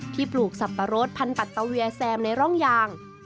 ปลูกสับปะรดพันธัตเวียแซมในร่องยาง